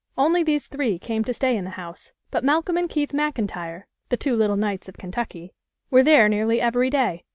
Only these three came to stay in the house, but Malcolm and Keith Maclntyre (the two little Knights of Kentucky) were there nearly every day.